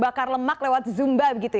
makan lemak lewat zumba gitu ya